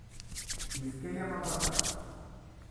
Yefka-yam abadaṛ.